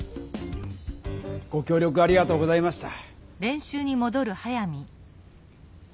ごきょう力ありがとうございました。